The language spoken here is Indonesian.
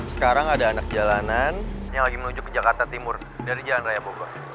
sekarang ada anak jalanan yang lagi menuju ke jakarta timur dari jalan raya bogor